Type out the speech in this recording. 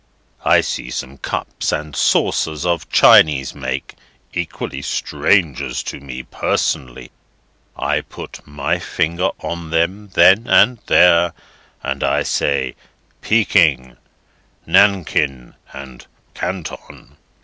I see some cups and saucers of Chinese make, equally strangers to me personally: I put my finger on them, then and there, and I say 'Pekin, Nankin, and Canton.